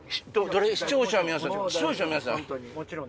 視聴者の皆さん？